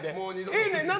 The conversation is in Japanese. ええねんな？